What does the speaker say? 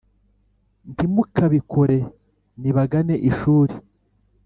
Ntimukabikore nibagane ishuri